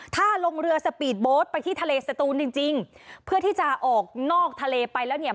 ถ้าลงเรือสปีดโบ๊ทไปที่ทะเลสตูนจริงจริงเพื่อที่จะออกนอกทะเลไปแล้วเนี่ย